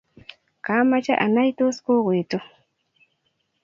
kamoche anai tos kokuituu.